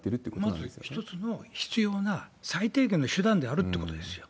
まず一つの、必要な、最低限の手段であるということですよ。